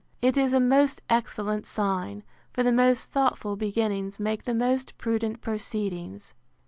It is a most excellent sign; for the most thoughtful beginnings make the most prudent proceedings.